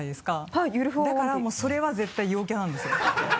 だからもうそれは絶対陽キャなんですね